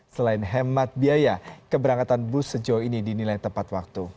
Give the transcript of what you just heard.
selain hemat biaya keberangkatan bus sejauh ini dinilai tepat waktu